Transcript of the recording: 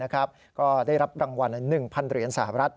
ก็ได้รับรางวัล๑๐๐เหรียญสหรัฐ